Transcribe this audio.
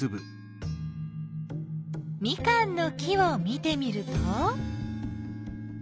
ミカンの木を見てみると？